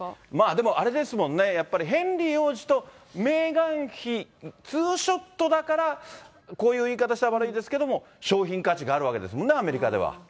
でもあれですもんね、やっぱりヘンリー王子とメーガン妃、ツーショットだから、こういう言い方したら悪いですけど、商品価値があるわけですもんね、アメリカでは。